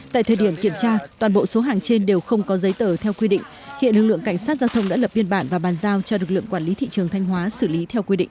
tại thời điểm kiểm tra toàn bộ số hàng trên đều không có giấy tờ theo quy định hiện lực lượng cảnh sát giao thông đã lập biên bản và bàn giao cho lực lượng quản lý thị trường thanh hóa xử lý theo quy định